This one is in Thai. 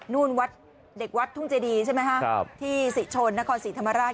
นู่นวัดเด็กวัดทุ่งเจดีใช่ไหมฮะที่ศรีชนนครศรีธรรมราช